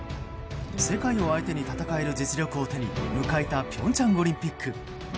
世界を相手に戦える実力を手に迎えた平昌オリンピック。